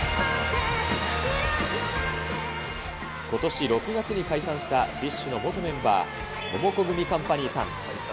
ことし６月に解散したＢｉＳＨの元メンバー、モモコグミカンパニーさん。